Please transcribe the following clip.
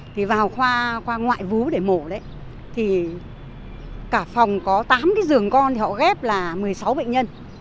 thì vào khoa khoa ngoại vũ để mổ đấy thì cả phòng có tám cái giường con vì hộ ghét là một mươi sáu vệ nhân